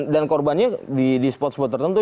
dan korbannya di spot spot tertentu